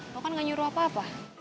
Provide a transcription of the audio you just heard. bapak kan gak nyuruh apa apa